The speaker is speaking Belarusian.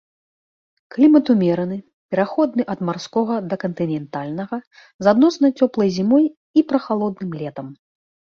Клімат умераны, пераходны ад марскога да кантынентальнага, з адносна цёплай зімой і прахалодным летам.